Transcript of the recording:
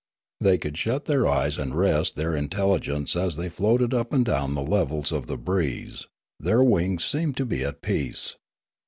They could shut their eyes and rest their intelligence as they floated 30 Limanora up and down the levels of the breeze; their wings seemed to be at peace.